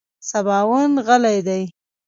سباوون غلی دی .